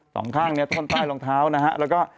สองข้างเนี่ยท่อนใต้รองเท้านะฮะแล้วก็